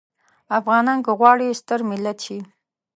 افغانان که غواړي ستر ملت شي.